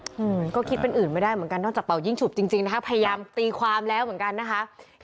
อืมก็คิดเป็นอื่นไม่ได้เหมือนกันนอกจากเป่ายิ่งฉุบจริงจริงนะคะพยายามตีความแล้วเหมือนกันนะคะ